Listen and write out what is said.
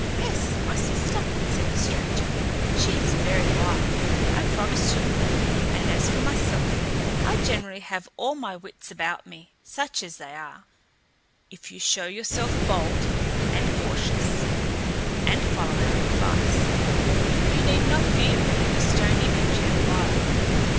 "Yes, my sister," said the stranger. "She is very wise, I promise you; and as for myself, I generally have all my wits about me, such as they are. If you show yourself bold and cautious, and follow our advice, you need not fear being a stone image yet awhile.